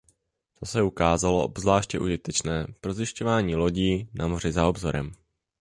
To se ukázalo obzvláště užitečné pro zjišťování lodí na moři za obzorem.